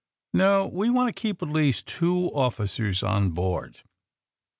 *^ No ; we want to keep at least two officers on board.